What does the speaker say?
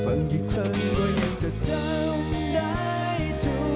ฟังอีกครั้งก็ยังจะจำได้